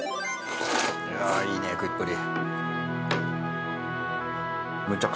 ああいいね食いっぷり。